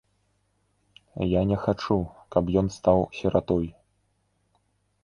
Я не хачу, каб ён стаў сіратой.